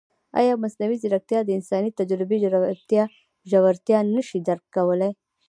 ایا مصنوعي ځیرکتیا د انساني تجربې ژورتیا نه شي درک کولی؟